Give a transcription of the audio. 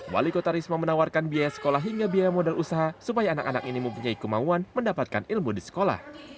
wali kota risma menawarkan biaya sekolah hingga biaya modal usaha supaya anak anak ini mempunyai kemauan mendapatkan ilmu di sekolah